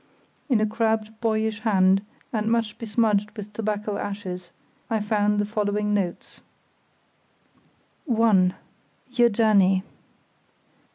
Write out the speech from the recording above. In a crabbed, boyish hand, and much besmudged with tobacco ashes, I found the following notes: (1) Your journey.